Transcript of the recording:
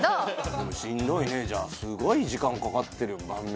でもしんどいねじゃあすごい時間かかってる晩飯。